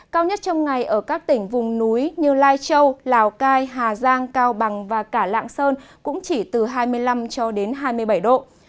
cao nhất trong ngày ở các tỉnh vùng núi như lai châu lào cai hà giang cao bằng và cả lạng sơn cũng chỉ từ hai mươi năm cho đến hai mươi bảy độ